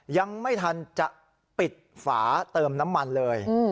ยังไม่ทันจะปิดฝาเติมน้ำมันเลย